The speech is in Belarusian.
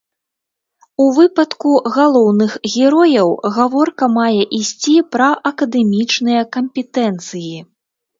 У выпадку галоўных герояў гаворка мае ісці пра акадэмічныя кампетэнцыі.